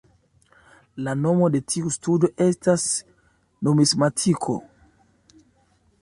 La nomo de tiu studo estas numismatiko.